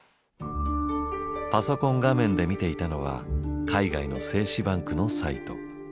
パソコン画面で見ていたのは海外の精子バンクのサイト。